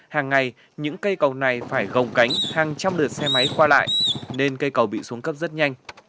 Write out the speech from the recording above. hàng ngày những cây cầu này phải gồng cánh hàng trăm lượt xe máy qua lại nên cây cầu bị xuống cấp rất nhanh